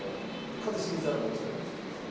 一茂さんはどちらがお好きですか？